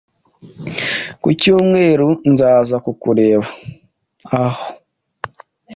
Ku cyumweru nzaza kukureba aho.